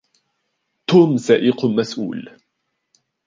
توم سائق مسؤول.